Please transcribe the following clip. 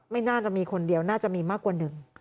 ไม่น่าจะมีคนเดียวน่าจะมีมากกว่าหนึ่ง